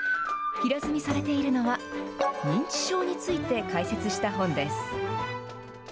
平積みされているのは、認知症について解説した本です。